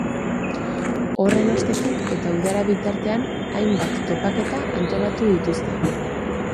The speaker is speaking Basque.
Horren ostetik eta udara bitartean, hainbat topaketa antolatuko dituzte.